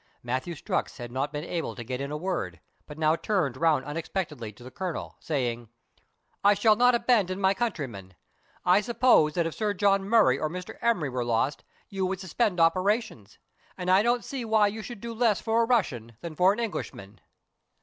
Matthew Strux had not been able to get in a word, but now turned round unexpectedly to the Colonel, saying, —" I shall not abandon my countryman. I suppose that if Sir John Murray or Mr. Emery were lost, you would suspend operations ; and I don't see why you should do less for a Russian than for an Englishman."